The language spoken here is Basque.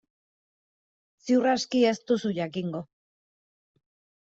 Ziur aski ez duzu jakingo.